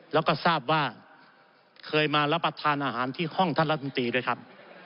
แล้วก็ทราบว่าเคยมารับประทานอาหารที่ห้องท่านรัฐมนตรีด้วยครับ